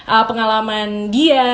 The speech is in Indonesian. bagaimana sih pengalaman jadinya